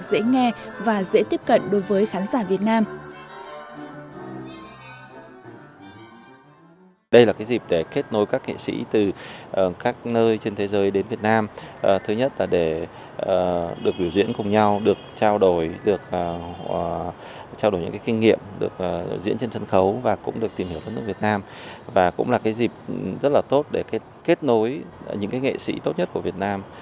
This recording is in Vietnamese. dễ nghe và dễ tiếp cận đối với khán giả việt nam